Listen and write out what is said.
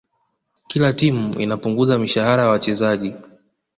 kila timu inapunguza mishahara ya wachezaji